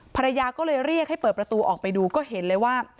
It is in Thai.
ภรรยาก็เลยเรียกให้เปิดประตูออกไปดูก็เห็นเลยว่า